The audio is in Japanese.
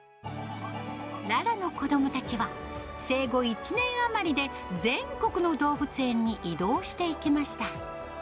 ララの子どもたちは、生後１年余りで、全国の動物園に移動していきました。